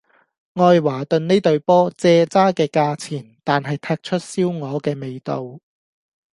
愛華頓呢隊波蔗渣嘅價錢,但係踢出燒鵝嘅味道